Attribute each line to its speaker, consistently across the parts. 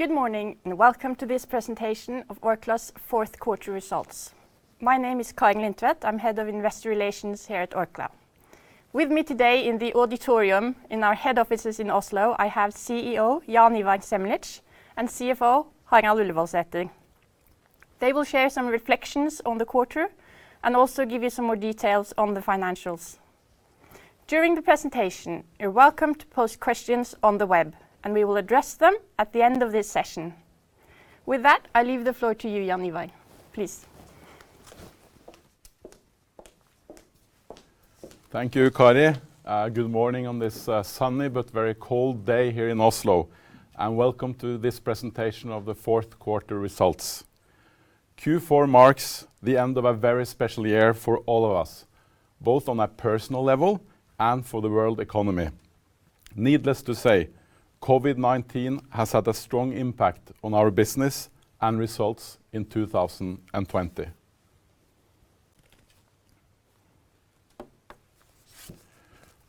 Speaker 1: Good morning, welcome to this presentation of Orkla's fourth-quarter results. My name is Kari Lindtvedt, I'm Head of Investor Relations here at Orkla. With me today in the auditorium in our head offices in Oslo, I have CEO Jaan Ivar Semlitsch and CFO Harald Ullevoldsæter. They will share some reflections on the quarter and also give you some more details on the financials. During the presentation, you're welcome to post questions on the web, and we will address them at the end of this session. With that, I leave the floor to you, Jaan Ivar Semlitsch. Please.
Speaker 2: Thank you, Kari. Good morning on this sunny but very cold day here in Oslo, and welcome to this presentation of the fourth-quarter results. Q4 marks the end of a very special year for all of us, both on a personal level and for the world economy. Needless to say, COVID-19 has had a strong impact on our business and results in 2020.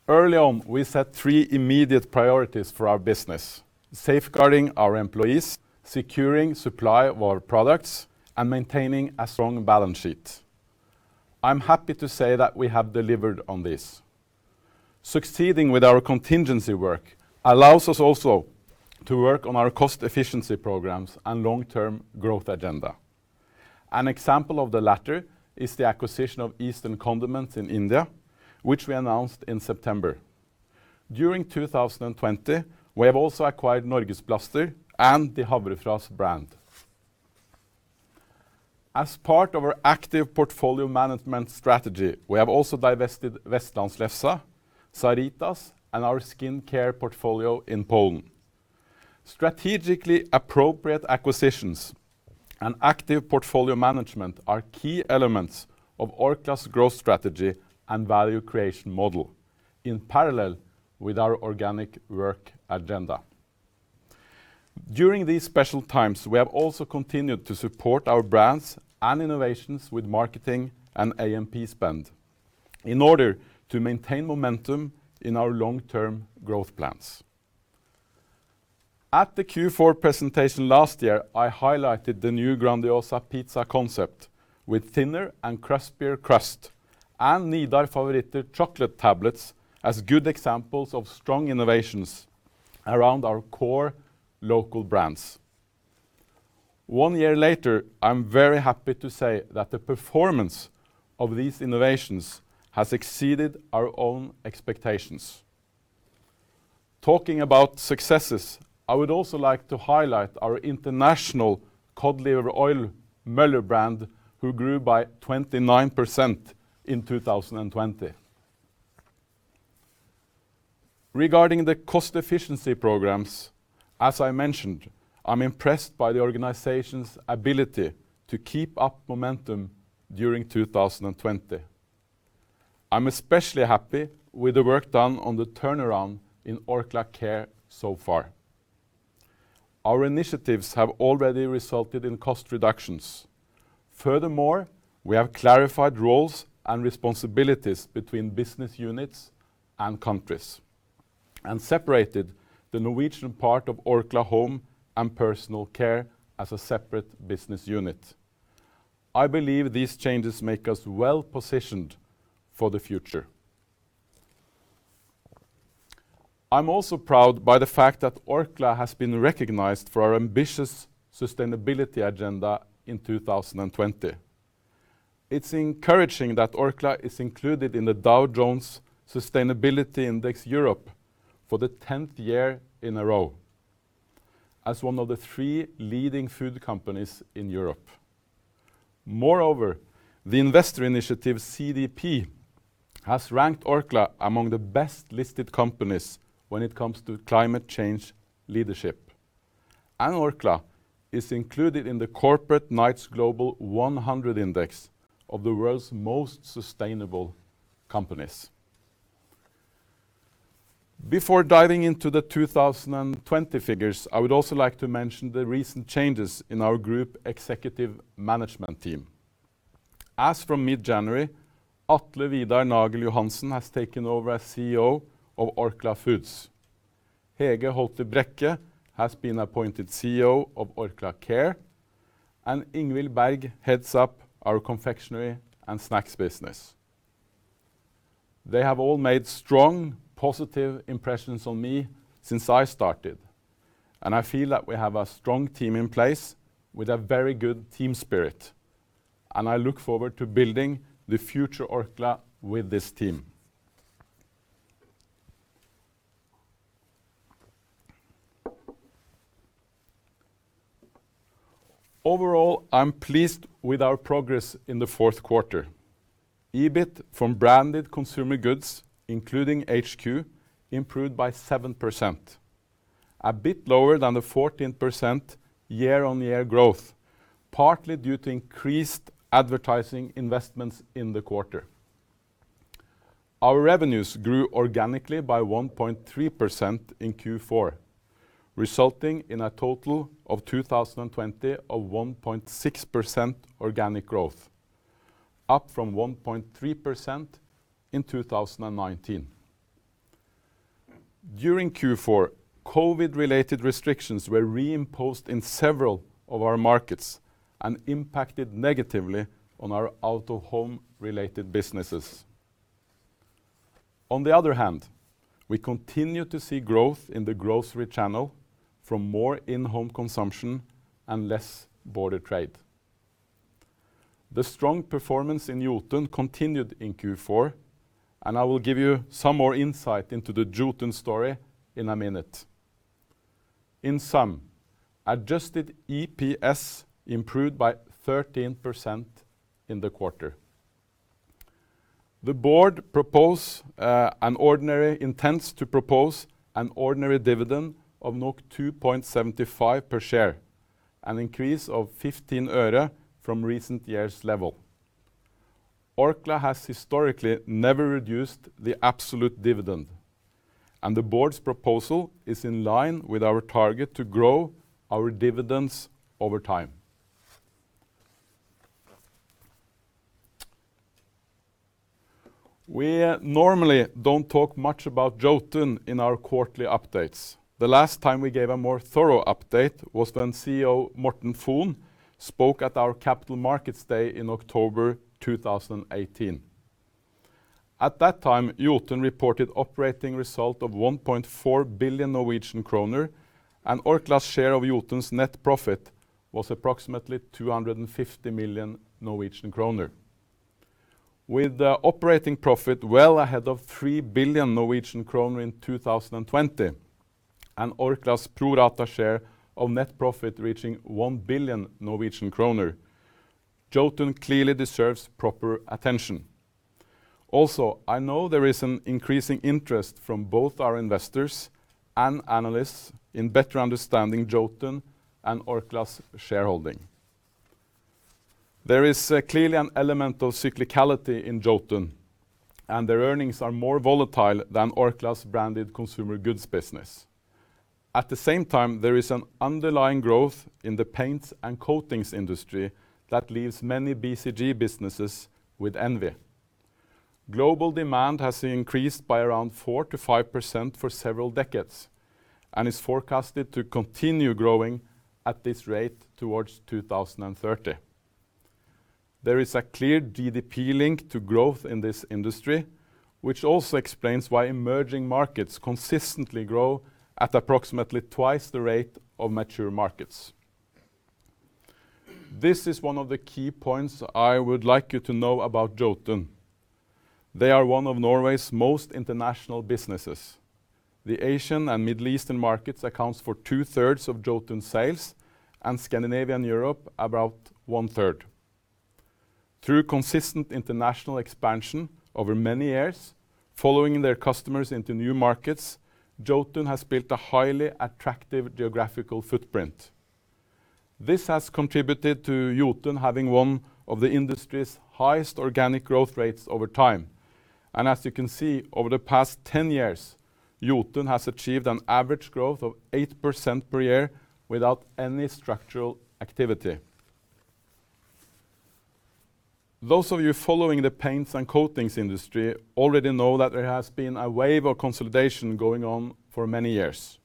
Speaker 2: Early on, we set three immediate priorities for our business, safeguarding our employees, securing supply of our products, and maintaining a strong balance sheet. I'm happy to say that we have delivered on this. Succeeding with our contingency work allows us also to work on our cost efficiency programs and long-term growth agenda. An example of the latter is the acquisition of Eastern Condiments in India, which we announced in September. During 2020, we have also acquired Norgesplaster and the Havrefras brand. As part of our active portfolio management strategy, we have also divested Vestlandslefsa, SaritaS, and our skincare portfolio in Poland. Strategically appropriate acquisitions and active portfolio management are key elements of Orkla's growth strategy and value creation model in parallel with our organic work agenda. During these special times, we have also continued to support our brands and innovations with marketing and A&P spend in order to maintain momentum in our long-term growth plans. At the Q4 presentation last year, I highlighted the new Grandiosa pizza concept with thinner and crispier crust and Nidar Favoritter chocolate tablets as good examples of strong innovations around our core local brands. One year later, I'm very happy to say that the performance of these innovations has exceeded our own expectations. Talking about successes, I would also like to highlight our international cod liver oil Møller's brand, who grew by 29% in 2020. Regarding the cost efficiency programs, as I mentioned, I'm impressed by the organization's ability to keep up momentum during 2020. I'm especially happy with the work done on the turnaround in Orkla Care so far. Our initiatives have already resulted in cost reductions. Furthermore, we have clarified roles and responsibilities between business units and countries and separated the Norwegian part of Orkla Home and Personal Care as a separate business unit. I believe these changes make us well-positioned for the future. I'm also proud by the fact that Orkla has been recognized for our ambitious sustainability agenda in 2020. It's encouraging that Orkla is included in the Dow Jones Sustainability Index Europe for the 10th year in a row as one of the three leading food companies in Europe. Moreover, the investor initiative CDP has ranked Orkla among the best-listed companies when it comes to climate change leadership, and Orkla is included in the Corporate Knights Global 100 Index of the world's most sustainable companies. Before diving into the 2020 figures, I would also like to mention the recent changes in our group executive management team. As from mid-January, Atle Vidar Nagel-Johansen has taken over as CEO of Orkla Foods. Hege Holter Brekke has been appointed CEO of Orkla Care, and Ingvill T. Berg heads up our Confectionery & Snacks business. They have all made strong, positive impressions on me since I started, and I feel that we have a strong team in place with a very good team spirit, and I look forward to building the future Orkla with this team. Overall, I'm pleased with our progress in the fourth quarter. EBIT from Branded Consumer Goods, including HQ, improved by 7%, a bit lower than the 14% year-on-year growth, partly due to increased advertising investments in the quarter. Our revenues grew organically by 1.3% in Q4, resulting in a total of 2020 of 1.6% organic growth. Up from 1.3% in 2019. During Q4, COVID-related restrictions were re-imposed in several of our markets and impacted negatively on our out-of-home related businesses. On the other hand, we continue to see growth in the grocery channel from more in-home consumption and less border trade. The strong performance in Jotun continued in Q4, and I will give you some more insight into the Jotun story in a minute. In sum, adjusted EPS improved by 13% in the quarter. The board intends to propose an ordinary dividend of 2.75 per share, an increase of NOK 0.15 from recent years' level. Orkla has historically never reduced the absolute dividend. The Board's proposal is in line with our target to grow our dividends over time. We normally don't talk much about Jotun in our quarterly updates. The last time we gave a more thorough update was when CEO Morten Fon spoke at our Capital Markets Day in October 2018. At that time, Jotun reported operating result of 1.4 billion Norwegian kroner, and Orkla's share of Jotun's net profit was approximately 250 million Norwegian kroner. With the operating profit well ahead of 3 billion Norwegian kroner in 2020, and Orkla's pro rata share of net profit reaching 1 billion Norwegian kroner, Jotun clearly deserves proper attention. I know there is an increasing interest from both our investors and analysts in better understanding Jotun and Orkla's shareholding. There is clearly an element of cyclicality in Jotun, and their earnings are more volatile than Orkla's Branded Consumer Goods business. At the same time, there is an underlying growth in the paints and coatings industry that leaves many BCG businesses with envy. Global demand has increased by around 4%-5% for several decades and is forecasted to continue growing at this rate towards 2030. There is a clear GDP link to growth in this industry, which also explains why emerging markets consistently grow at approximately twice the rate of mature markets. This is one of the key points I would like you to know about Jotun. They are one of Norway's most international businesses. The Asian and Middle Eastern markets accounts for two-thirds of Jotun's sales, and Scandinavia and Europe about one-third. Through consistent international expansion over many years, following their customers into new markets, Jotun has built a highly attractive geographical footprint. This has contributed to Jotun having one of the industry's highest organic growth rates over time. As you can see, over the past 10 years, Jotun has achieved an average growth of 8% per year without any structural activity. Those of you following the paints and coatings industry already know that there has been a wave of consolidation going on for many years.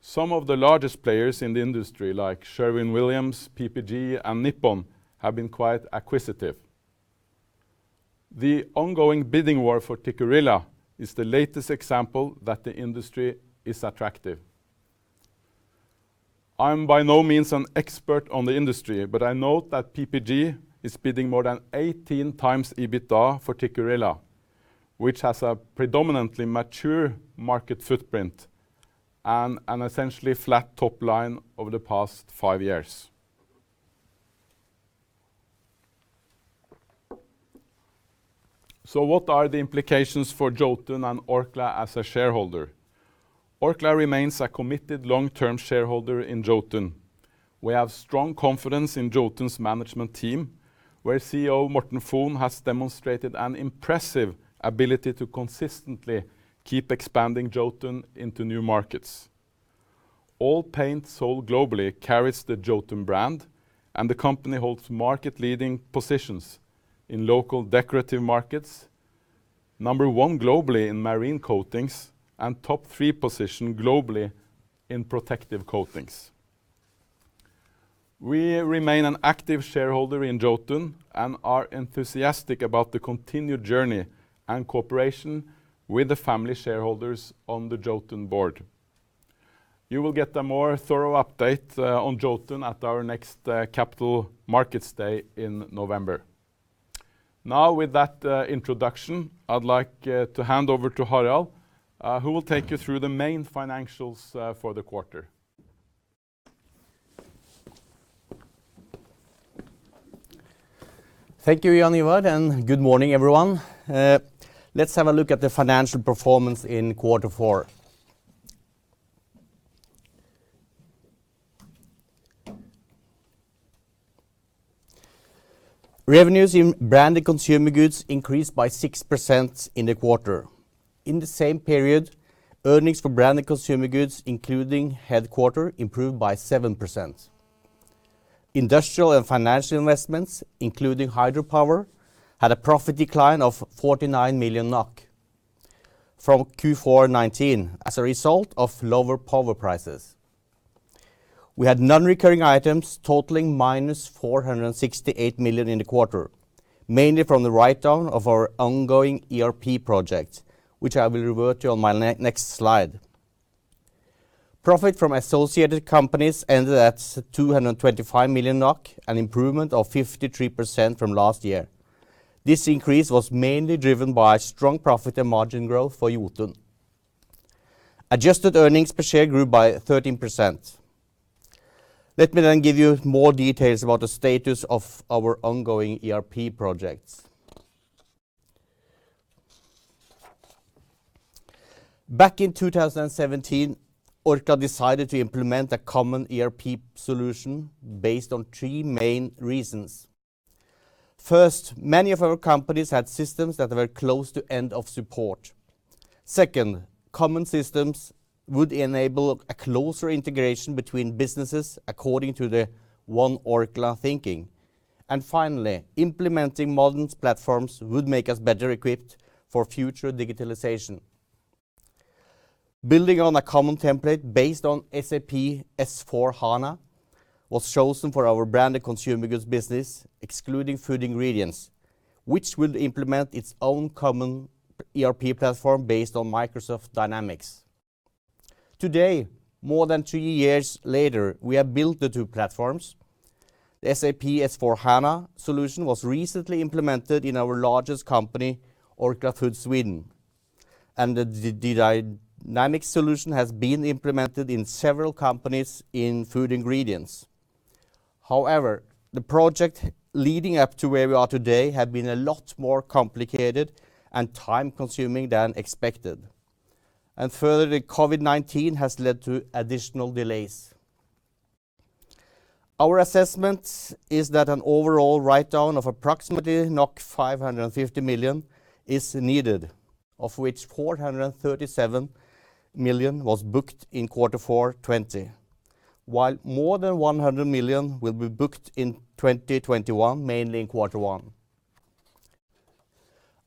Speaker 2: Some of the largest players in the industry, like Sherwin-Williams, Pittsburgh Plate Glass, and Nippon Paint Group, have been quite acquisitive. The ongoing bidding war for Tikkurila is the latest example that the industry is attractive. I'm by no means an expert on the industry, but I note that Pittsburgh Plate Glass is bidding more than 18x EBITDA for Tikkurila, which has a predominantly mature market footprint and an essentially flat top line over the past five years. What are the implications for Jotun and Orkla as a shareholder? Orkla remains a committed long-term shareholder in Jotun. We have strong confidence in Jotun's management team, where CEO Morten Fon has demonstrated an impressive ability to consistently keep expanding Jotun into new markets. All paint sold globally carries the Jotun brand, and the company holds market-leading positions in local decorative markets, number one globally in marine coatings, and top three position globally in protective coatings. We remain an active shareholder in Jotun and are enthusiastic about the continued journey and cooperation with the family shareholders on the Jotun board. You will get a more thorough update on Jotun at our next Capital Markets Day in November. With that introduction, I'd like to hand over to Harald, who will take you through the main financials for the quarter.
Speaker 3: Thank you, Jaan Ivar, and good morning, everyone. Let's have a look at the financial performance in quarter four. Revenues in Branded Consumer Goods increased by 6% in the quarter. In the same period, earnings for Branded Consumer Goods, including headquarter, improved by 7%. Industrial and Financial Investments, including hydropower, had a profit decline of 49 million NOK from Q4 2019 as a result of lower power prices. We had non-recurring items totaling -468 million in the quarter, mainly from the write-down of our ongoing ERP project, which I will revert to on my next slide. Profit from associated companies ended at 225 million NOK, an improvement of 53% from last year. This increase was mainly driven by strong profit and margin growth for Jotun. Adjusted earnings per share grew by 13%. Let me give you more details about the status of our ongoing ERP projects. Back in 2017, Orkla decided to implement a common ERP solution based on three main reasons. First, many of our companies had systems that were close to end of support. Second, common systems would enable a closer integration between businesses according to the One Orkla thinking. Finally, implementing modern platforms would make us better equipped for future digitalization. Building on a common template based on SAP S/4HANA was chosen for our Branded Consumer Goods business, excluding Orkla Food Ingredients, which will implement its own common ERP platform based on Microsoft Dynamics. Today, more than three years later, we have built the two platforms. The SAP S/4HANA solution was recently implemented in our largest company, Orkla Foods Sweden, and the Dynamics solution has been implemented in several companies in Orkla Food Ingredients. However, the project leading up to where we are today had been a lot more complicated and time-consuming than expected. Further, the COVID-19 has led to additional delays. Our assessment is that an overall write-down of approximately 550 million is needed, of which 437 million was booked in Q4 2020, while more than 100 million will be booked in 2021, mainly in Q1.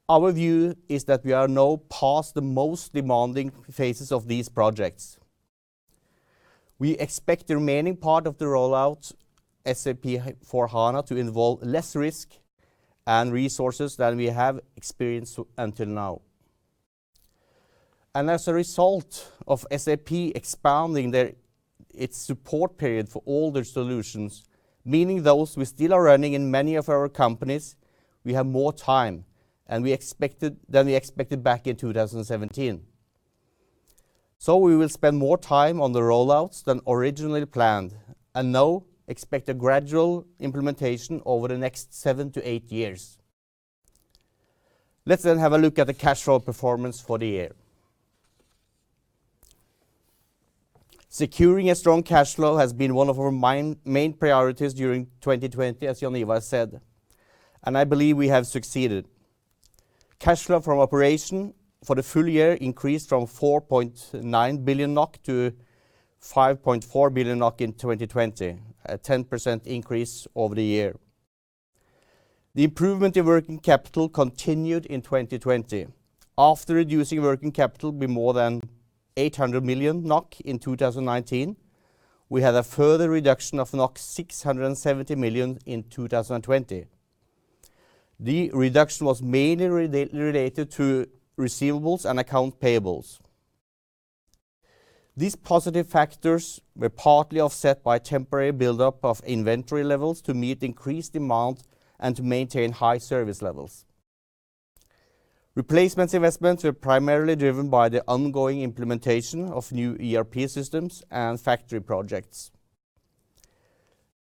Speaker 3: Our view is that we are now past the most demanding phases of these projects. We expect the remaining part of the rollout SAP S/4HANA to involve less risk and resources than we have experienced until now. As a result of SAP S/4HANA expanding its support period for older solutions, meaning those we still are running in many of our companies, we have more time than we expected back in 2017. We will spend more time on the rollouts than originally planned and now expect a gradual implementation over the next seven to eight years. Let's then have a look at the cash flow performance for the year. Securing a strong cash flow has been one of our main priorities during 2020, as Jaan Ivar said, I believe we have succeeded. Cash flow from operation for the full year increased from 4.9 billion-5.4 billion NOK in 2020, a 10% increase over the year. The improvement in working capital continued in 2020. After reducing working capital by more than 800 million NOK in 2019, we had a further reduction of 670 million in 2020. The reduction was mainly related to receivables and account payables. These positive factors were partly offset by temporary buildup of inventory levels to meet increased demand and to maintain high service levels. Replacement investments were primarily driven by the ongoing implementation of new ERP systems and factory projects.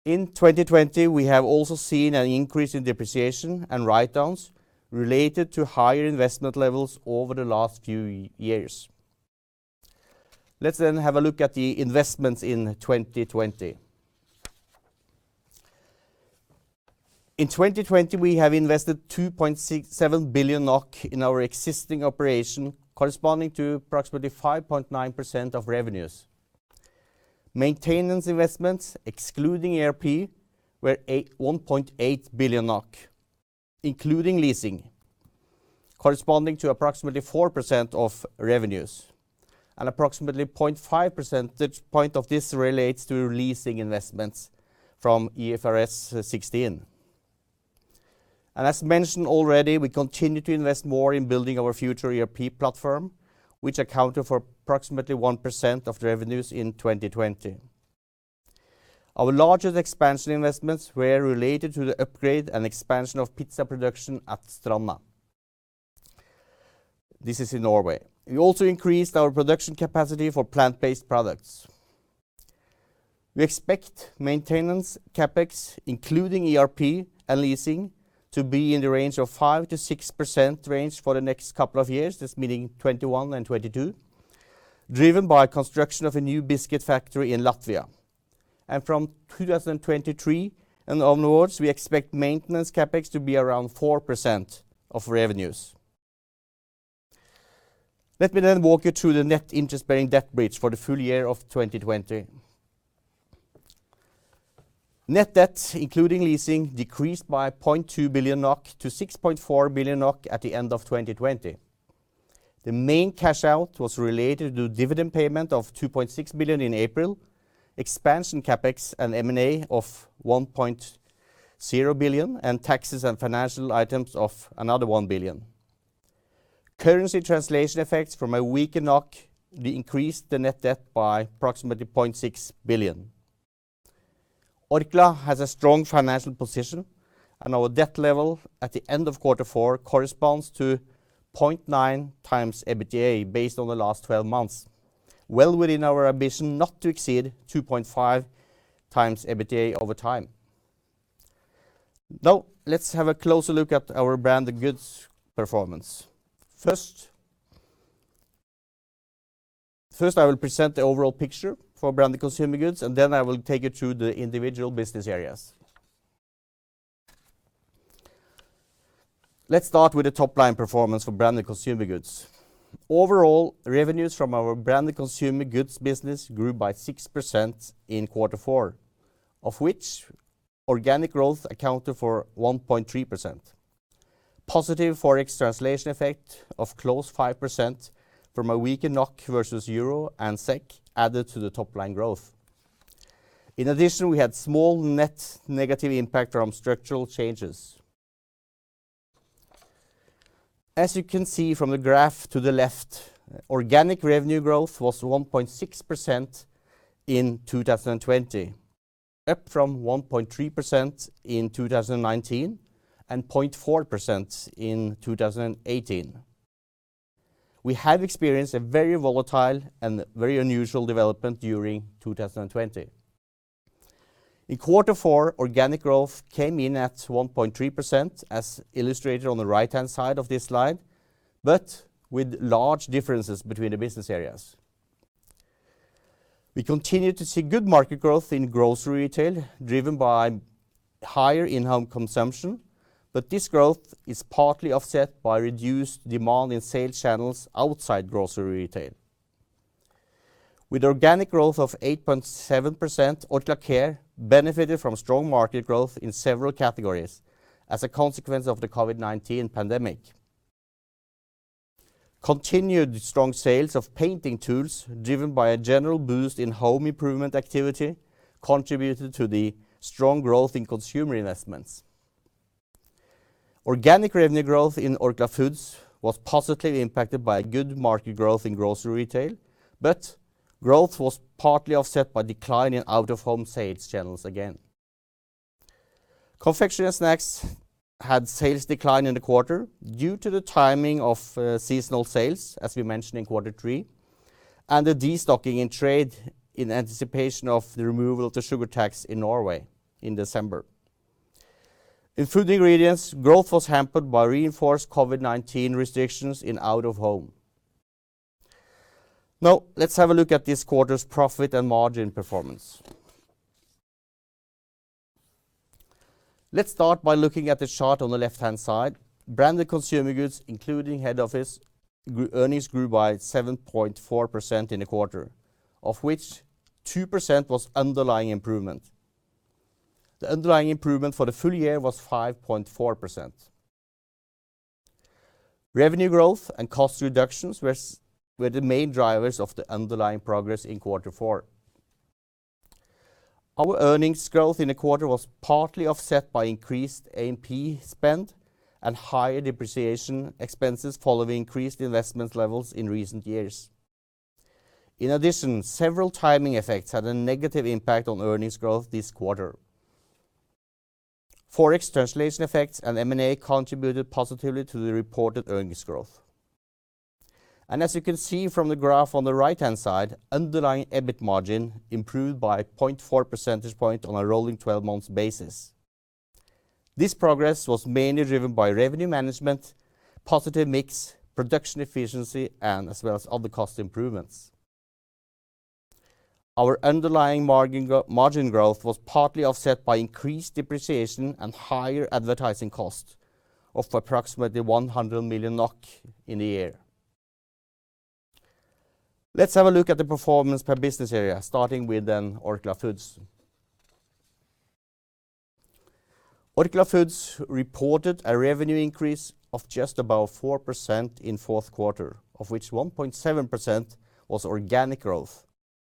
Speaker 3: In 2020, we have also seen an increase in depreciation and write-downs related to higher investment levels over the last few years. Let's have a look at the investments in 2020. In 2020, we have invested 2.67 billion NOK in our existing operation, corresponding to approximately 5.9% of revenues. Maintenance investments, excluding ERP, were 1.8 billion NOK, including leasing, corresponding to approximately 4% of revenues, and approximately 0.5 percentage point of this relates to leasing investments from IFRS 16. As mentioned already, we continue to invest more in building our future ERP platform, which accounted for approximately 1% of the revenues in 2020. Our largest expansion investments were related to the upgrade and expansion of pizza production at Stranda. This is in Norway. We also increased our production capacity for plant-based products. We expect maintenance CapEx, including ERP and leasing, to be in the 5%-6% range for the next couple of years, this meaning 2021 and 2022. Driven by construction of a new biscuit factory in Latvia. From 2023 and onwards, we expect maintenance CapEx to be around 4% of revenues. Let me walk you through the net interest-bearing debt bridge for the full year of 2020. Net debt, including leasing, decreased by 0.2 billion-6.4 billion NOK at the end of 2020. The main cash out was related to dividend payment of 2.6 billion in April, expansion CapEx and M&A of 1.0 billion, and taxes and financial items of another 1 billion. Currency translation effects from a weaker NOK increased the net debt by approximately 0.6 billion. Orkla has a strong financial position, and our debt level at the end of quarter four corresponds to 0.9x EBITDA, based on the last 12 months, well within our ambition not to exceed 2.5x EBITDA over time. Now, let's have a closer look at our Branded Consumer Goods performance. First, I will present the overall picture for Branded Consumer Goods, and then I will take you through the individual business areas. Let's start with the top-line performance for Branded Consumer Goods. Overall, revenues from our Branded Consumer Goods business grew by 6% in quarter four, of which organic growth accounted for 1.3%. Positive ForEx translation effect of close to 5% from a weaker NOK versus EUR and SEK added to the top-line growth. In addition, we had small net negative impact from structural changes. As you can see from the graph to the left, organic revenue growth was 1.6% in 2020, up from 1.3% in 2019, and 0.4% in 2018. We have experienced a very volatile and very unusual development during 2020. In Q4, organic growth came in at 1.3%, as illustrated on the right-hand side of this slide, but with large differences between the business areas. We continue to see good market growth in grocery retail, driven by higher in-home consumption, but this growth is partly offset by reduced demand in sales channels outside grocery retail. With organic growth of 8.7%, Orkla Care benefited from strong market growth in several categories as a consequence of the COVID-19 pandemic. Continued strong sales of painting tools, driven by a general boost in home improvement activity, contributed to the strong growth in Consumer Investments. Organic revenue growth in Orkla Foods was positively impacted by good market growth in grocery retail, but growth was partly offset by decline in out-of-home sales channels again. Confectionery & Snacks had sales decline in the quarter due to the timing of seasonal sales, as we mentioned in Q3, and the destocking in trade in anticipation of the removal of the sugar tax in Norway in December. In Orkla Food Ingredients, growth was hampered by reinforced COVID-19 restrictions in out-of-home. Let's have a look at this quarter's profit and margin performance. Let's start by looking at the chart on the left-hand side. Branded Consumer Goods, including head office, earnings grew by 7.4% in the quarter, of which 2% was underlying improvement. The underlying improvement for the full year was 5.4%. Revenue growth and cost reductions were the main drivers of the underlying progress in Q4. Our earnings growth in the quarter was partly offset by increased A&P spend and higher depreciation expenses following increased investment levels in recent years. In addition, several timing effects had a negative impact on earnings growth this quarter. ForEx translation effects and M&A contributed positively to the reported earnings growth. As you can see from the graph on the right-hand side, underlying EBIT margin improved by 0.4 percentage point on a rolling 12-month basis. This progress was mainly driven by revenue management, positive mix, production efficiency, and as well as other cost improvements. Our underlying margin growth was partly offset by increased depreciation and higher advertising costs of approximately 100 million NOK in the year. Let's have a look at the performance per business area, starting with then Orkla Foods. Orkla Foods reported a revenue increase of just about 4% in fourth quarter, of which 1.7% was organic growth,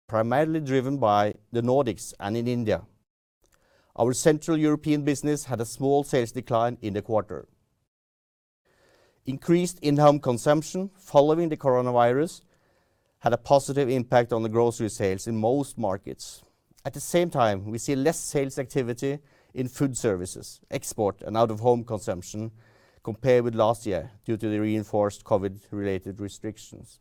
Speaker 3: primarily driven by the Nordics and in India. Our Central European business had a small sales decline in the quarter. Increased in-home consumption following the coronavirus had a positive impact on the grocery sales in most markets. At the same time, we see less sales activity in food services, export, and out-of-home consumption compared with last year due to the reinforced COVID-related restrictions.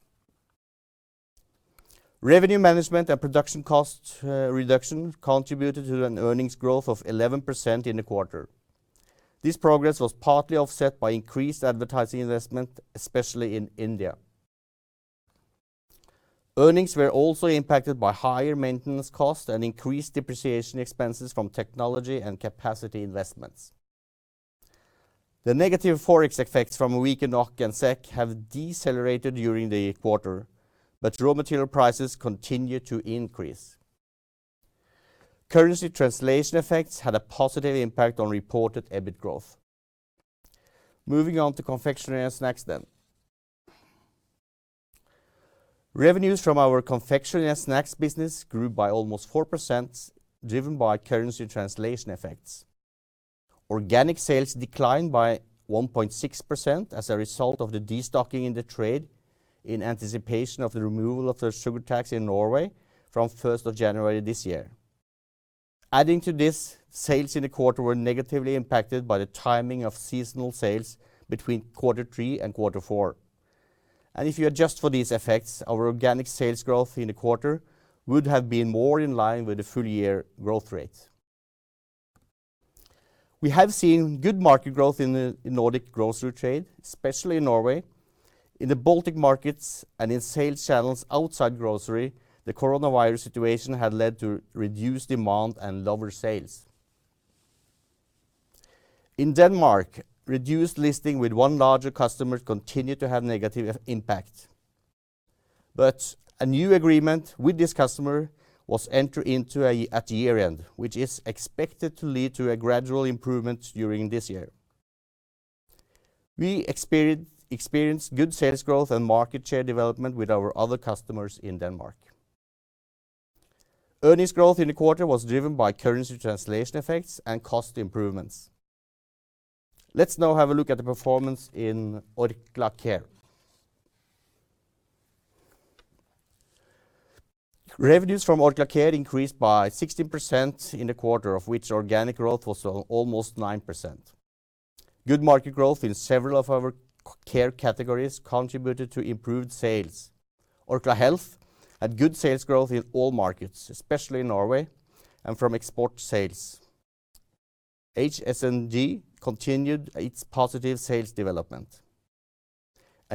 Speaker 3: Revenue management and production cost reduction contributed to an earnings growth of 11% in the quarter. This progress was partly offset by increased advertising investment, especially in India. Earnings were also impacted by higher maintenance costs and increased depreciation expenses from technology and capacity investments. The negative ForEx effects from weaker NOK and SEK have decelerated during the quarter, but raw material prices continue to increase. Currency translation effects had a positive impact on reported EBIT growth. Moving on to Confectionery & Snacks. Revenues from our Confectionery & Snacks business grew by almost 4%, driven by currency translation effects. Organic sales declined by 1.6% as a result of the destocking in the trade in anticipation of the removal of the sugar tax in Norway from 1st of January this year. Adding to this, sales in the quarter were negatively impacted by the timing of seasonal sales between quarter three and quarter four. If you adjust for these effects, our organic sales growth in the quarter would have been more in line with the full-year growth rate. We have seen good market growth in the Nordic grocery trade, especially in Norway. In the Baltic markets and in sales channels outside grocery, the coronavirus situation had led to reduced demand and lower sales. In Denmark, reduced listing with one larger customer continued to have negative impact. A new agreement with this customer was entered into at year-end, which is expected to lead to a gradual improvement during this year. We experienced good sales growth and market share development with our other customers in Denmark. Earnings growth in the quarter was driven by currency translation effects and cost improvements. Let's now have a look at the performance in Orkla Care. Revenues from Orkla Care increased by 16% in the quarter, of which organic growth was almost 9%. Good market growth in several of our care categories contributed to improved sales. Orkla Health had good sales growth in all markets, especially in Norway and from export sales. HSNG continued its positive sales development.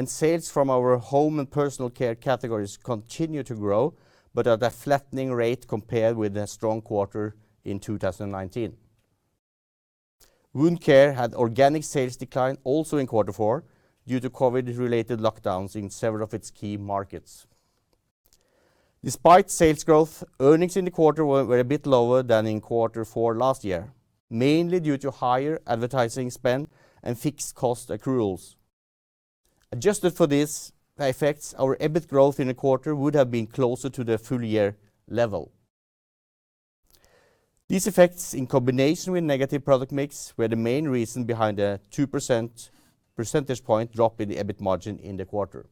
Speaker 3: Sales from our home and personal care categories continue to grow, but at a flattening rate compared with the strong quarter in 2019. Wound care had organic sales decline also in quarter four due to COVID-related lockdowns in several of its key markets. Despite sales growth, earnings in the quarter were a bit lower than in quarter four last year, mainly due to higher advertising spend and fixed cost accruals. Adjusted for these effects, our EBIT growth in the quarter would have been closer to the full-year level. These effects, in combination with negative product mix, were the main reason behind the two percentage point drop in the EBIT margin in the quarter.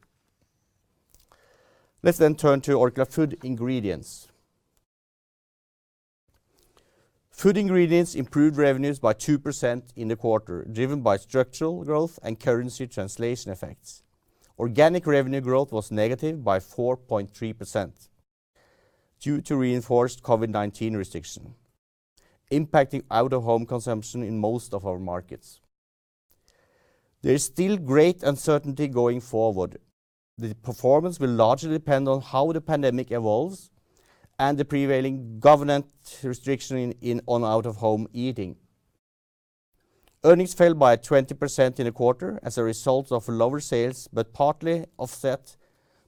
Speaker 3: Let's turn to Orkla Food Ingredients. Orkla Food Ingredients improved revenues by 2% in the quarter, driven by structural growth and currency translation effects. Organic revenue growth was negative by 4.3% due to reinforced COVID-19 restriction, impacting out-of-home consumption in most of our markets. There is still great uncertainty going forward. The performance will largely depend on how the pandemic evolves and the prevailing government restriction on out-of-home eating. Earnings fell by 20% in the quarter as a result of lower sales, but partly offset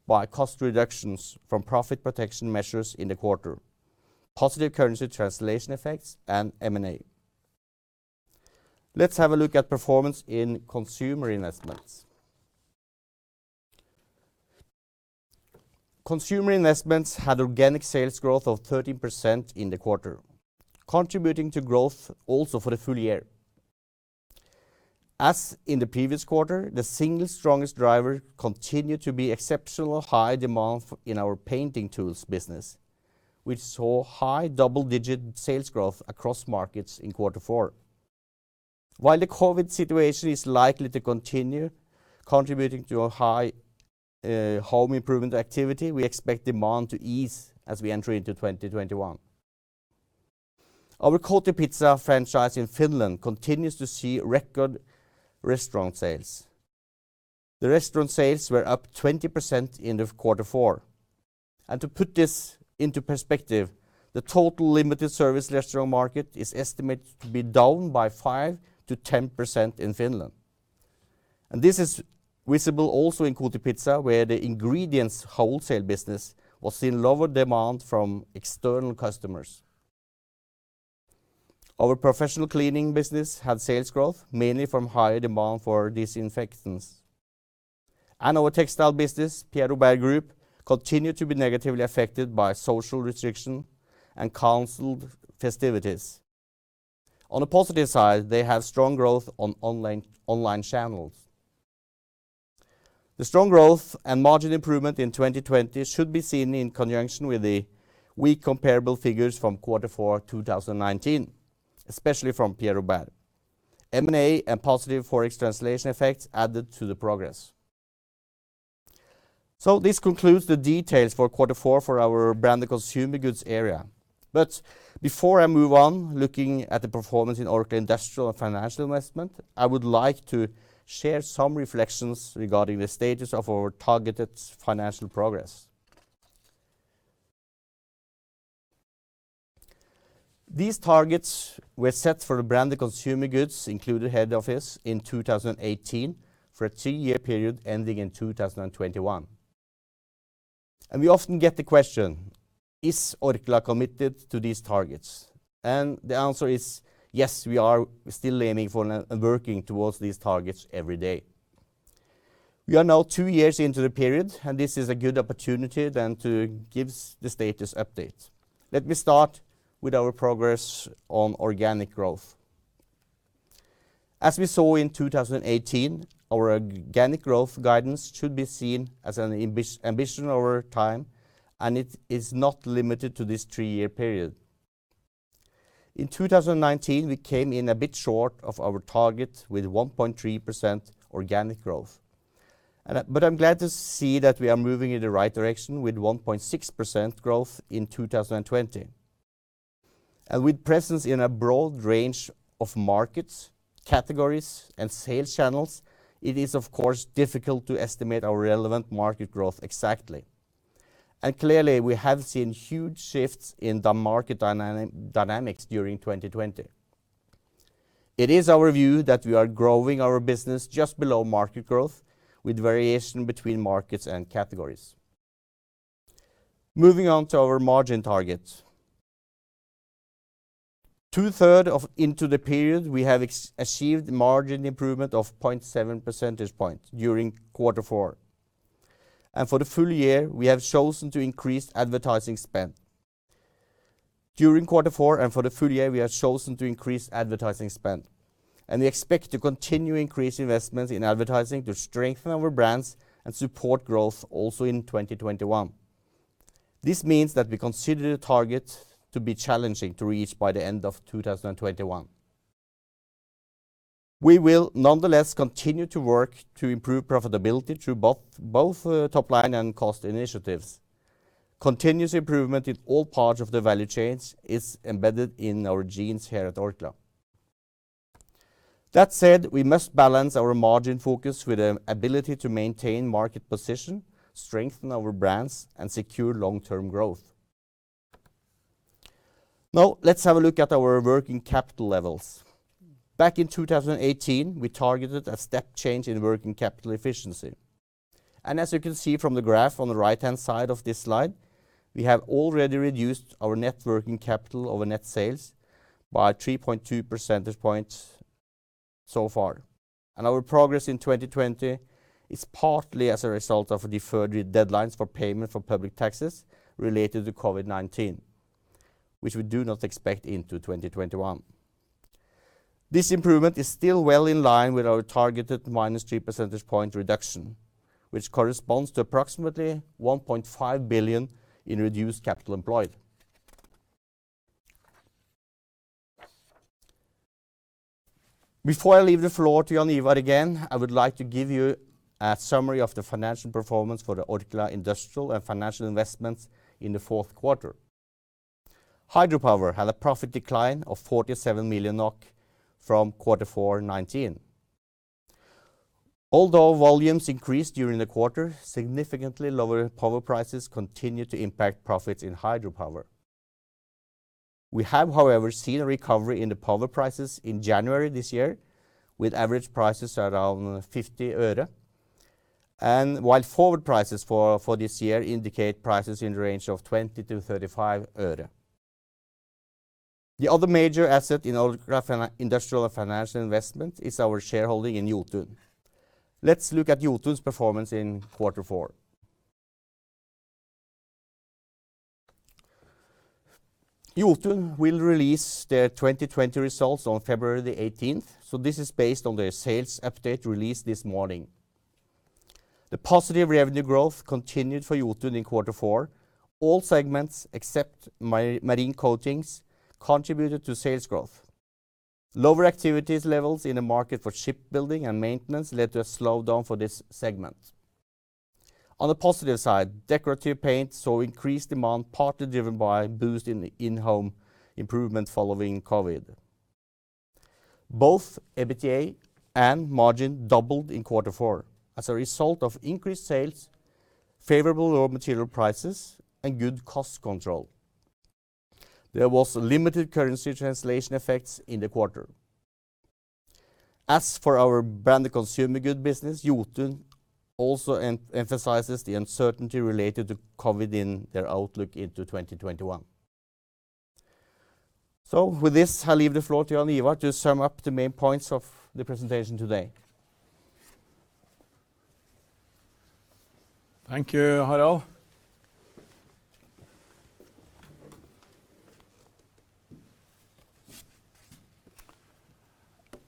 Speaker 3: by cost reductions from profit protection measures in the quarter, positive currency translation effects, and M&A. Let's have a look at performance in Consumer Investments. Consumer Investments had organic sales growth of 13% in the quarter, contributing to growth also for the full year. As in the previous quarter, the single strongest driver continued to be exceptional high demand in our painting tools business, which saw high double-digit sales growth across markets in quarter four. While the COVID-19 situation is likely to continue contributing to a high home improvement activity, we expect demand to ease as we enter into 2021. Our Kotipizza franchise in Finland continues to see record restaurant sales. The restaurant sales were up 20% in quarter four. To put this into perspective, the total limited service restaurant market is estimated to be down by 5%-10% in Finland. This is visible also in Kotipizza, where the ingredients wholesale business was in lower demand from external customers. Our professional cleaning business had sales growth, mainly from high demand for disinfectants. Our textile business, Pierre Robert Group, continued to be negatively affected by social restriction and canceled festivities. On the positive side, they have strong growth on online channels. The strong growth and margin improvement in 2020 should be seen in conjunction with the weak comparable figures from quarter four, 2019, especially from Pierre Robert Group. M&A and positive ForEx translation effects added to the progress. This concludes the details for quarter four for our Branded Consumer Goods area. Before I move on looking at the performance in Orkla Industrial and Financial Investment, I would like to share some reflections regarding the status of our targeted financial progress. These targets were set for the Branded Consumer Goods, including head office, in 2018 for a three-year period ending in 2021. We often get the question: is Orkla committed to these targets? The answer is, yes, we are. We are still aiming for and working towards these targets every day. We are now two years into the period, and this is a good opportunity then to give the status update. Let me start with our progress on organic growth. As we saw in 2018, our organic growth guidance should be seen as an ambition over time, and it is not limited to this three-year period. In 2019, we came in a bit short of our target with 1.3% organic growth. I'm glad to see that we are moving in the right direction with 1.6% growth in 2020. With presence in a broad range of markets, categories, and sales channels, it is of course, difficult to estimate our relevant market growth exactly. Clearly, we have seen huge shifts in the market dynamics during 2020. It is our view that we are growing our business just below market growth with variation between markets and categories. Moving on to our margin targets. Two third into the period, we have achieved margin improvement of 0.7 percentage points during quarter four. During quarter four and for the full year, we have chosen to increase advertising spend. We expect to continue increase investments in advertising to strengthen our brands and support growth also in 2021. This means that we consider the target to be challenging to reach by the end of 2021. We will nonetheless continue to work to improve profitability through both top line and cost initiatives. Continuous improvement in all parts of the value chains is embedded in our genes here at Orkla. That said, we must balance our margin focus with the ability to maintain market position, strengthen our brands, and secure long-term growth. Now, let's have a look at our working capital levels. Back in 2018, we targeted a step change in working capital efficiency. As you can see from the graph on the right-hand side of this slide, we have already reduced our net working capital over net sales by 3.2 percentage points so far. Our progress in 2020 is partly as a result of deferred deadlines for payment for public taxes related to COVID-19, which we do not expect into 2021. This improvement is still well in line with our targeted -3 percentage point reduction, which corresponds to approximately 1.5 billion in reduced capital employed. Before I leave the floor to Jaan Ivar again, I would like to give you a summary of the financial performance for the Orkla Industrial & Financial Investments in the fourth quarter. Hydropower had a profit decline of 47 million NOK from Q4 2019. Although volumes increased during the quarter, significantly lower power prices continued to impact profits in hydropower. We have, however, seen a recovery in the power prices in January this year with average prices around NOK 0.50, and while forward prices for this year indicate prices in the range of NOK 0.20-NOK 0.35. The other major asset in Orkla Industrial & Financial Investments is our shareholding in Jotun. Let's look at Jotun's performance in quarter four. Jotun will release their 2020 results on February 18th, so this is based on their sales update released this morning. The positive revenue growth continued for Jotun in quarter four. All segments except Marine Coatings contributed to sales growth. Lower activities levels in the market for shipbuilding and maintenance led to a slowdown for this segment. On the positive side, decorative paint saw increased demand, partly driven by a boost in the in-home improvement following COVID-19. Both EBITDA and margin doubled in quarter four as a result of increased sales, favorable raw material prices, and good cost control. There was limited currency translation effects in the quarter. As for our Branded Consumer Goods business, Jotun also emphasizes the uncertainty related to COVID-19 in their outlook into 2021. With this, I leave the floor to Jaan Ivar to sum up the main points of the presentation today.
Speaker 2: Thank you, Harald.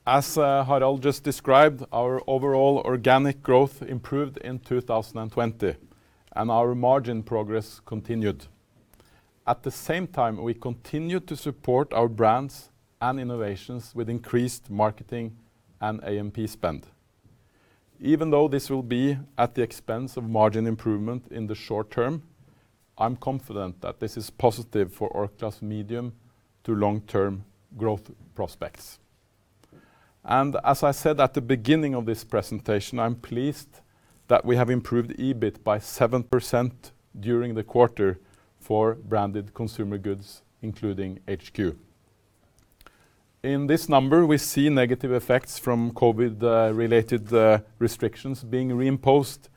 Speaker 2: As Harald just described, our overall organic growth improved in 2020, and our margin progress continued. At the same time, we continue to support our brands and innovations with increased marketing and A&P spend. Even though this will be at the expense of margin improvement in the short term, I'm confident that this is positive for Orkla's medium to long-term growth prospects. As I said at the beginning of this presentation, I'm pleased that we have improved EBIT by 7% during the quarter for Branded Consumer Goods, including HQ. In this number, we see negative effects from COVID-related restrictions being reimposed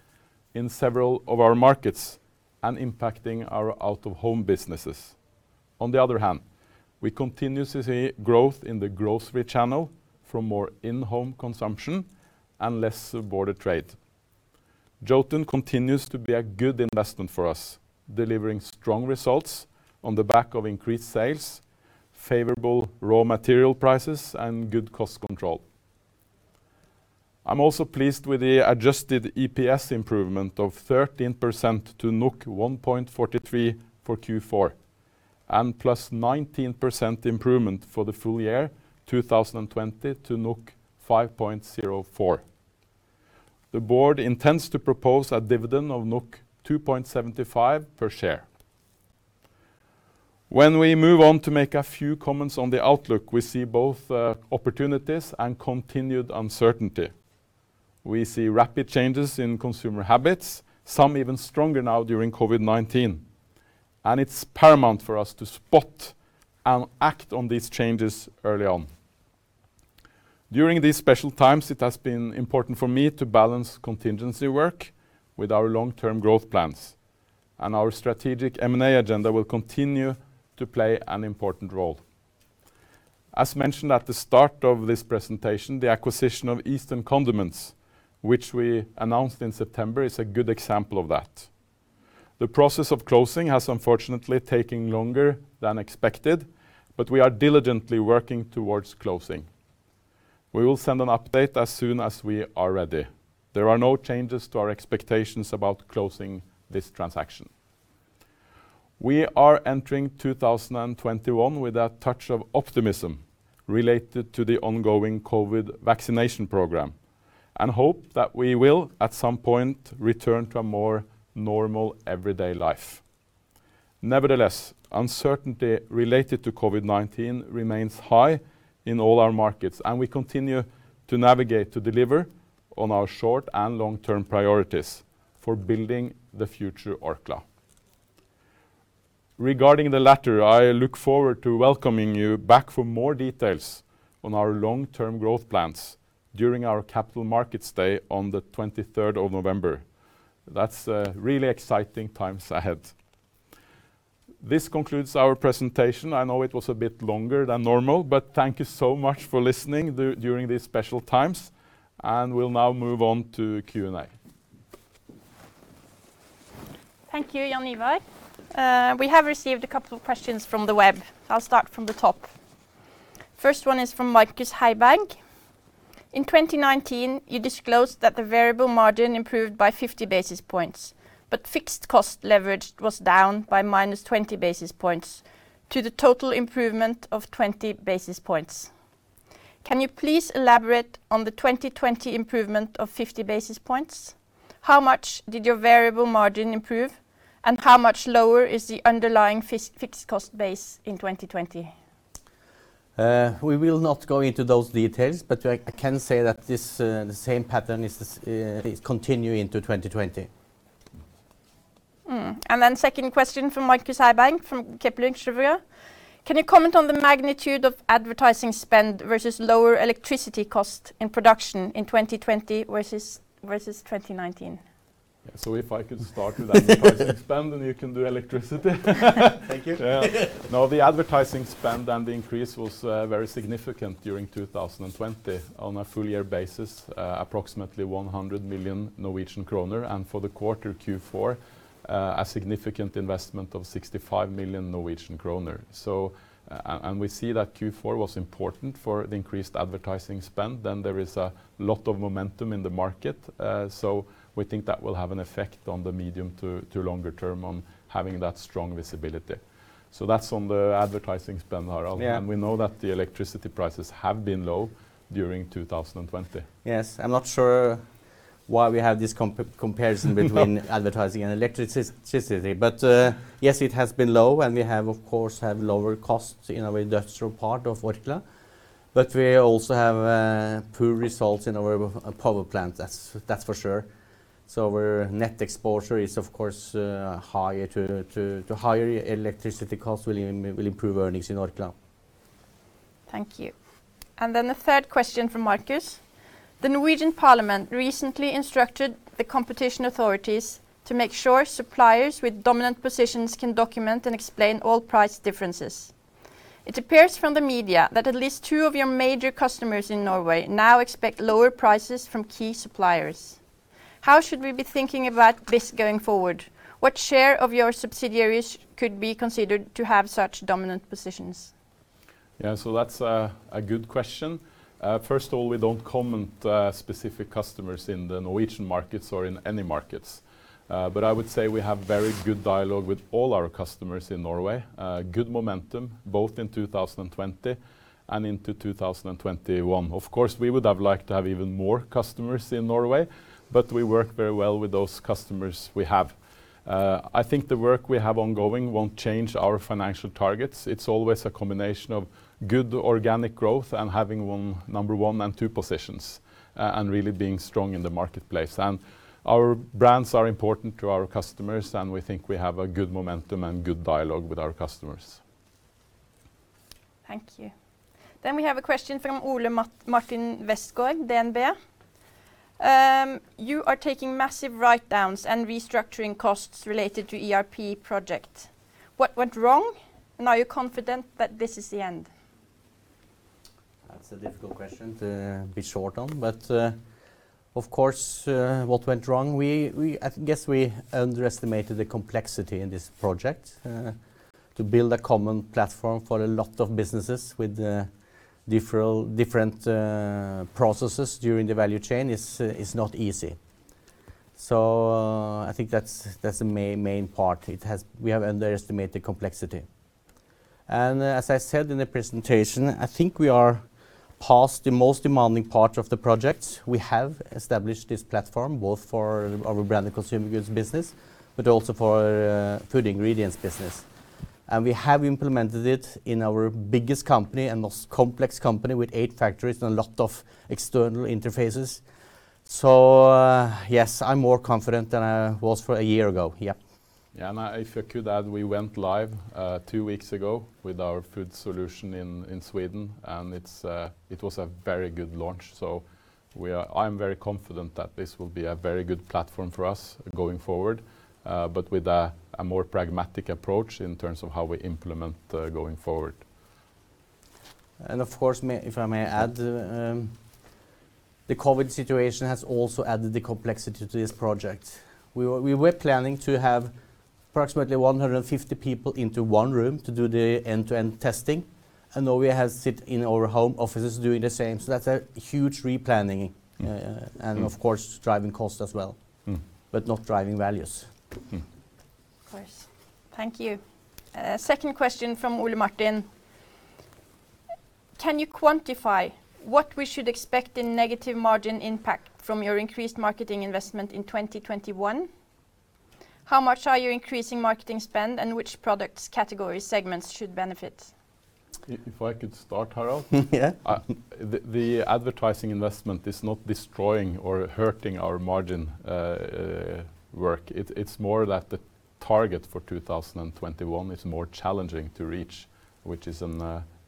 Speaker 2: in several of our markets and impacting our out-of-home businesses. On the other hand, we continue to see growth in the grocery channel from more in-home consumption and less border trade. Jotun continues to be a good investment for us, delivering strong results on the back of increased sales, favorable raw material prices, and good cost control. I'm also pleased with the adjusted EPS improvement of 13% to 1.43 for Q4, and plus 19% improvement for the full year 2020 to 5.04. The board intends to propose a dividend of 2.75 per share. When we move on to make a few comments on the outlook, we see both opportunities and continued uncertainty. We see rapid changes in consumer habits, some even stronger now during COVID-19, and it's paramount for us to spot and act on these changes early on. During these special times, it has been important for me to balance contingency work with our long-term growth plans, and our strategic M&A agenda will continue to play an important role. As mentioned at the start of this presentation, the acquisition of Eastern Condiments Private Limited, which we announced in September, is a good example of that. The process of closing has unfortunately taken longer than expected, but we are diligently working towards closing. We will send an update as soon as we are ready. There are no changes to our expectations about closing this transaction. We are entering 2021 with a touch of optimism related to the ongoing COVID vaccination program and hope that we will, at some point, return to a more normal everyday life. Nevertheless, uncertainty related to COVID-19 remains high in all our markets, and we continue to navigate to deliver on our short and long-term priorities for building the future Orkla. Regarding the latter, I look forward to welcoming you back for more details on our long-term growth plans during our Capital Markets Day on the 23rd of November. That's really exciting times ahead. This concludes our presentation. I know it was a bit longer than normal, but thank you so much for listening during these special times, and we'll now move on to Q&A.
Speaker 1: Thank you, Jaan Ivar. We have received a couple of questions from the web. I'll start from the top. First one is from Markus Heiberg. In 2019, you disclosed that the variable margin improved by 50 basis points, but fixed cost leverage was down by -20 basis points to the total improvement of 20 basis points. Can you please elaborate on the 2020 improvement of 50 basis points? How much did your variable margin improve, and how much lower is the underlying fixed cost base in 2020?
Speaker 3: We will not go into those details, but I can say that the same pattern is continuing into 2020.
Speaker 1: Second question from Markus Heiberg from Kepler Cheuvreux. Can you comment on the magnitude of advertising spend versus lower electricity cost in production in 2020 versus 2019?
Speaker 2: Yeah, if I could start with advertising spend, then you can do electricity.
Speaker 3: Thank you.
Speaker 2: Yeah. No, the advertising spend and the increase was very significant during 2020. On a full year basis, approximately 100 million Norwegian kroner, and for the quarter Q4, a significant investment of 65 million Norwegian kroner. We see that Q4 was important for the increased advertising spend. There is a lot of momentum in the market. We think that will have an effect on the medium to longer term on having that strong visibility. That's on the advertising spend, Harald.
Speaker 3: Yeah.
Speaker 2: We know that the electricity prices have been low during 2020.
Speaker 3: Yes. I'm not sure why we have this comparison between advertising and electricity. Yes, it has been low, and we have, of course, lower costs in our industrial part of Orkla. We also have poor results in our power plant, that's for sure. Our net exposure is, of course, higher. Higher electricity costs will improve earnings in Orkla.
Speaker 1: Thank you. The third question from Markus. The Norwegian parliament recently instructed the competition authorities to make sure suppliers with dominant positions can document and explain all price differences. It appears from the media that at least two of your major customers in Norway now expect lower prices from key suppliers. How should we be thinking about this going forward? What share of your subsidiaries could be considered to have such dominant positions?
Speaker 2: That's a good question. First of all, we don't comment specific customers in the Norwegian markets or in any markets. I would say we have very good dialogue with all our customers in Norway. Good momentum both in 2020 and into 2021. Of course, we would have liked to have even more customers in Norway, we work very well with those customers we have. I think the work we have ongoing won't change our financial targets. It's always a combination of good organic growth and having won number one and two positions, and really being strong in the marketplace. Our brands are important to our customers, and we think we have a good momentum and good dialogue with our customers.
Speaker 1: Thank you. We have a question from Ole Martin Westgaard, DNB. You are taking massive writedowns and restructuring costs related to ERP project. What went wrong? Are you confident that this is the end?
Speaker 3: That's a difficult question to be short on, but of course what went wrong, I guess we underestimated the complexity in this project. To build a common platform for a lot of businesses with different processes during the value chain is not easy. I think that's the main part. We have underestimated complexity. As I said in the presentation, I think we are past the most demanding part of the project. We have established this platform both for our Branded Consumer Goods business, but also for Orkla Food Ingredients business. We have implemented it in our biggest company and most complex company with eight factories and a lot of external interfaces. Yes, I'm more confident than I was for a year ago.
Speaker 2: Yeah, if I could add, we went live two weeks ago with our food solution in Sweden, and it was a very good launch. I'm very confident that this will be a very good platform for us going forward but with a more pragmatic approach in terms of how we implement going forward.
Speaker 3: Of course, if I may add, the COVID situation has also added the complexity to this project. We were planning to have approximately 150 people into one room to do the end-to-end testing, and now we have sit in our home offices doing the same. That's a huge replanning. Of course, driving cost as well. Not driving values.
Speaker 1: Of course. Thank you. Second question from Ole Martin. Can you quantify what we should expect in negative margin impact from your increased marketing investment in 2021? How much are you increasing marketing spend, and which products category segments should benefit?
Speaker 2: If I could start, Harald?
Speaker 3: Yeah.
Speaker 2: The advertising investment is not destroying or hurting our margin work. It's more that the target for 2021 is more challenging to reach, which it's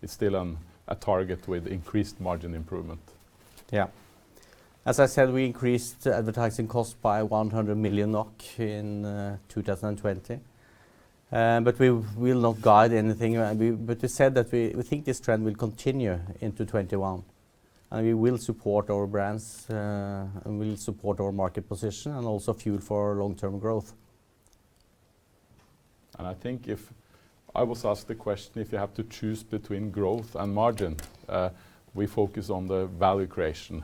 Speaker 2: still on a target with increased margin improvement.
Speaker 3: Yeah. As I said, we increased advertising cost by 100 million NOK in 2020. We'll not guide anything around. We said that we think this trend will continue into 2021, and we will support our brands, and we'll support our market position and also fuel for our long-term growth.
Speaker 2: I think if I was asked the question, if you have to choose between growth and margin, we focus on the value creation.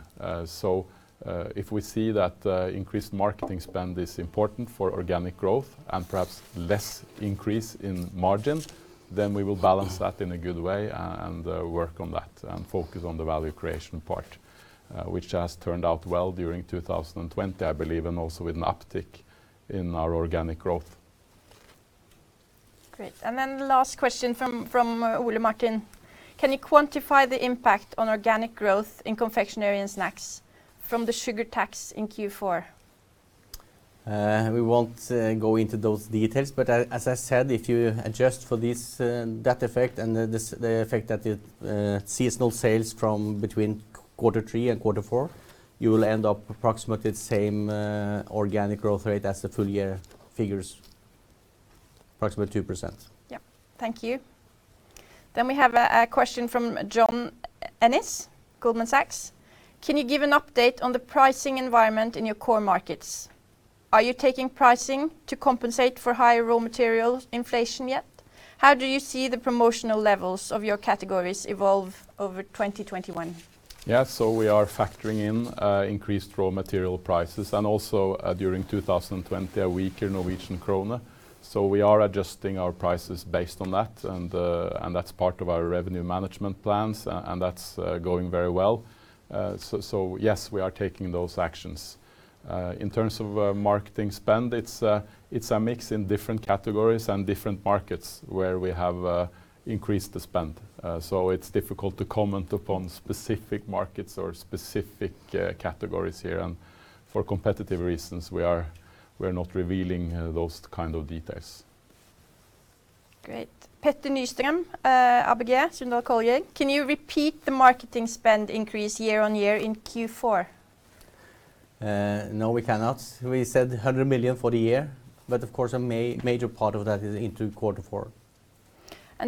Speaker 2: If we see that increased marketing spend is important for organic growth and perhaps less increase in margin, then we will balance that in a good way and work on that and focus on the value creation part which has turned out well during 2020, I believe, and also with an uptick in our organic growth.
Speaker 1: Great. The last question from Ole Martin. Can you quantify the impact on organic growth in Confectionery & Snacks from the sugar tax in Q4?
Speaker 3: We won't go into those details, but as I said, if you adjust for that effect and the effect that its seasonal sales from between quarter three and quarter four, you will end up approximately the same organic growth rate as the full year figures. Approximately 2%.
Speaker 1: Yeah. Thank you. We have a question from John Ennis, Goldman Sachs. Can you give an update on the pricing environment in your core markets? Are you taking pricing to compensate for higher raw material inflation yet? How do you see the promotional levels of your categories evolve over 2021?
Speaker 2: Yeah. We are factoring in increased raw material prices, and also during 2020, a weaker Norwegian krone. We are adjusting our prices based on that, and that's part of our revenue management plans and that's going very well. Yes, we are taking those actions. In terms of marketing spend, it's a mix in different categories and different markets where we have increased the spend. It's difficult to comment upon specific markets or specific categories here, and for competitive reasons, we're not revealing those kind of details.
Speaker 1: Great. Petter Nystrøm, ABG Sundal Collier. Can you repeat the marketing spend increase year-on-year in Q4?
Speaker 3: No, we cannot. We said 100 million for the year. Of course, a major part of that is into quarter four.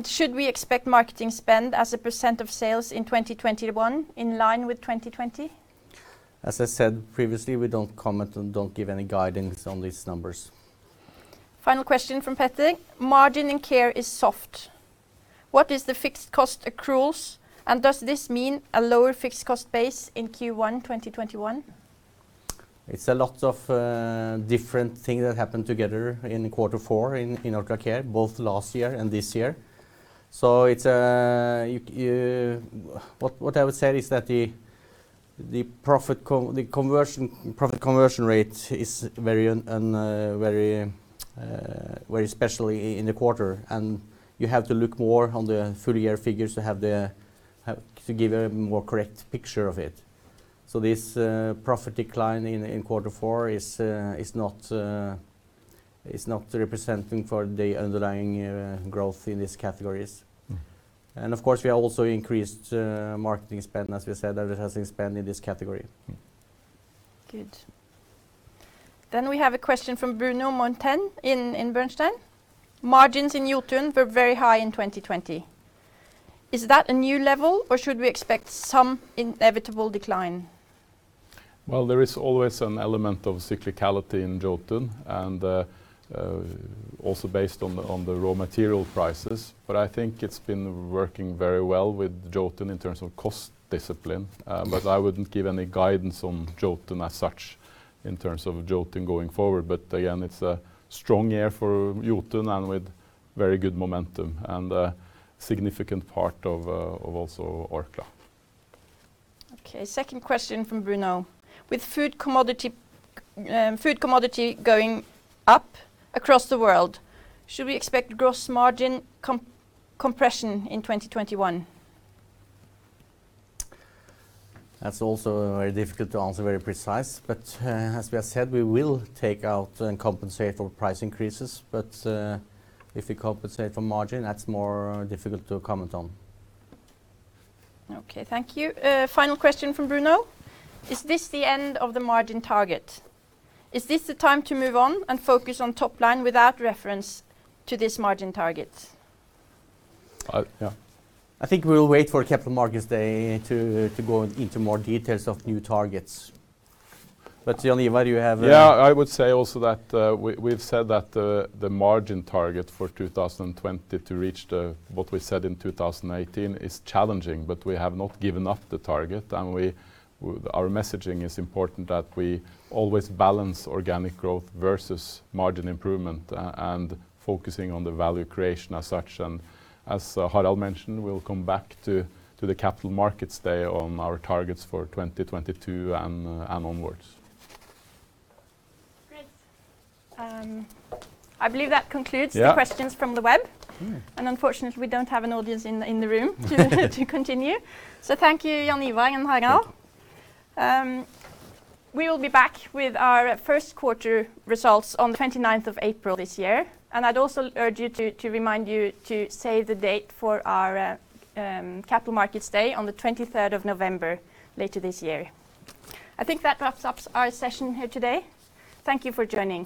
Speaker 1: Should we expect marketing spend as a percent of sales in 2021 in line with 2020?
Speaker 3: As I said previously, we don't comment and don't give any guidance on these numbers
Speaker 1: Final question from Petter. Margin in Orkla Care is soft. What is the fixed cost accruals and does this mean a lower fixed cost base in Q1 2021?
Speaker 3: It's a lot of different things that happened together in quarter four in Orkla Care, both last year and this year. What I would say is that the profit conversion rate is varying especially in the quarter, and you have to look more on the full-year figures to give a more correct picture of it. This profit decline in quarter four is not representing for the underlying growth in these categories. Of course, we have also increased marketing spend, as we said, that it has expanded this category.
Speaker 1: Good. We have a question from Bruno Monteyne in Bernstein. Margins in Jotun were very high in 2020. Is that a new level, or should we expect some inevitable decline?
Speaker 2: Well, there is always an element of cyclicality in Jotun, and also based on the raw material prices, but I think it's been working very well with Jotun in terms of cost discipline. I wouldn't give any guidance on Jotun as such in terms of Jotun going forward. Again, it's a strong year for Jotun and with very good momentum and a significant part of also Orkla.
Speaker 1: Okay. Second question from Bruno. With food commodity going up across the world, should we expect gross margin compression in 2021?
Speaker 3: That's also very difficult to answer very precise, but as we have said, we will take out and compensate for price increases. If we compensate for margin, that's more difficult to comment on.
Speaker 1: Okay, thank you. Final question from Bruno. Is this the end of the margin target? Is this the time to move on and focus on top line without reference to this margin target?
Speaker 2: I Yeah.
Speaker 3: I think we'll wait for Capital Markets Day to go into more details of new targets. Jaan Ivar.
Speaker 2: Yeah, I would say also that we've said that the margin target for 2020 to reach the, what we said in 2018 is challenging, but we have not given up the target. Our messaging is important that we always balance organic growth versus margin improvement and focusing on the value creation as such, and as Harald mentioned, we'll come back to the Capital Markets Day on our targets for 2022 and onwards.
Speaker 1: Great. I believe that.
Speaker 2: Yeah.
Speaker 1: the questions from the web. Unfortunately, we don't have an audience in the room to continue. Thank you, Jaan Ivar Semlitsch and Harald Ullevoldsæter. We will be back with our first quarter results on the 29th of April this year, and I'd also urge you to remind you to save the date for our Capital Markets Day on the 23rd of November later this year. I think that wraps up our session here today. Thank you for joining.